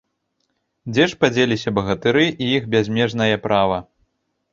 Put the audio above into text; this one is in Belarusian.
Дзе ж падзеліся багатыры і іх бязмежнае права?